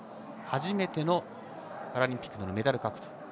初めてのパラリンピックでのメダル獲得。